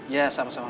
ya sama sama pak w